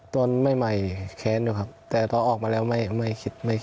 ตอนใหม่แค้นอยู่ครับแต่ตอนออกมาแล้วไม่คิดไม่คิด